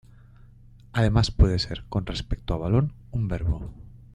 Además puede ser, con respecto a "balón", un verbo.